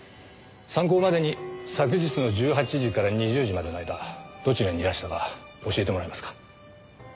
参考までに昨日の１８時から２０時までの間どちらにいらしたか教えてもらえますか？